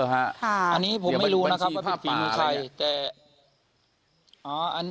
อ๋อหรือฮะ